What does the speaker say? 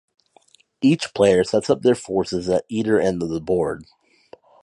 Each player sets up their forces at either end of the board.